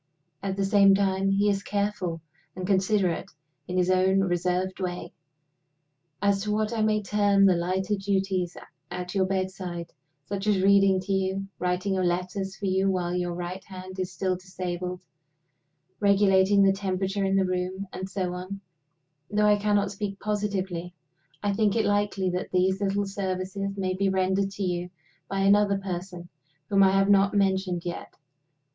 At the same time he is careful and considerate, in his own reserved way. As to what I may term the lighter duties at your bedside such as reading to you, writing your letters for you while your right hand is still disabled, regulating the temperature in the room, and so on though I cannot speak positively, I think it likely that these little services may be rendered to you by another person whom I have not mentioned yet.